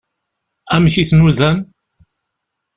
Amek i t-nudan?